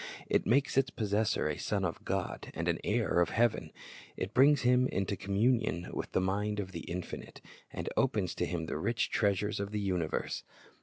It makes its possessor a son of God and an heir of heaven. It brings him into communion with the mind of the Infinite, and opens to him the rich treasures of the universe.